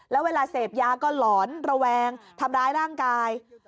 แล้วเวลาเสพยาก็หลอนระแวงทำร้ายร่างกาย